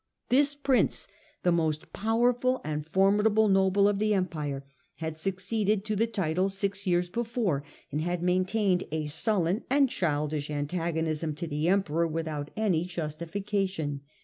This Prince, the most powerful and formidable noble of the Empire, had succeeded to the title six years before, and had main tained a sullen and childish antagonism to the Emperor without any justification.